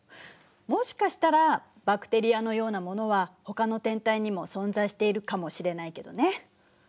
もしかしたらバクテリアのようなものはほかの天体にも存在しているかもしれないけどね。